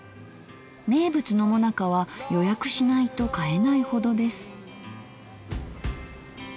名物のもなかは予約しないと買えないほどです。